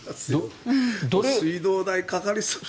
水道代かかりそう。